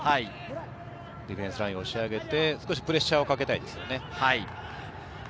ディフェンスラインを押し上げて、少しプレッシャーをかけたいですよね。